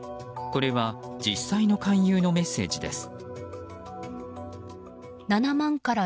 これは実際の勧誘のメッセージです。